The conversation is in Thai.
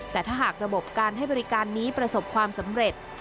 แต่ถ้าหากระบบการให้บริการนี้ประสบความสำเร็จ